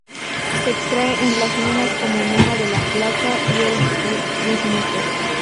Se extrae en las minas como mena de la plata y el bismuto.